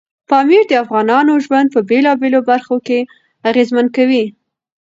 پامیر د افغانانو ژوند په بېلابېلو برخو کې اغېزمن کوي.